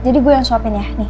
jadi gue yang suapin ya